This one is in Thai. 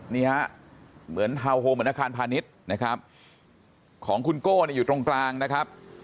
นี่ฮะเหมือนฮาวโฮเหมือนอาคารพาณิชย์นะครับของคุณโก้อยู่ตรงกลางนะครับ